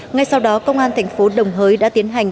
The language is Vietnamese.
ngay sau đó công an thành phố đồng hới đã tiến hành